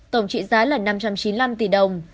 tổng trị giá là năm trăm chín mươi năm tỷ đồng